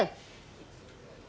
nggak usah kamu panggil